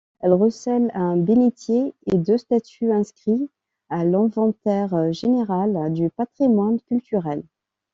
Elle recèle un bénitier et deux statues inscrits à l'Inventaire général du patrimoine culturel.